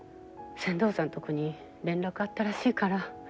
船頭さんとこに連絡あったらしいから。